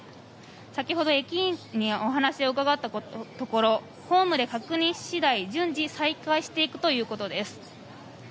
先ほど、駅員にお話を伺ったところホームで確認次第順次、再開していくということです。